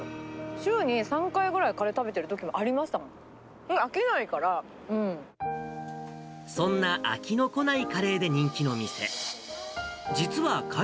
週に３回くらいカレー食べてるときもありましたもん、飽きないかそんな飽きの来ないカレーで人気の店。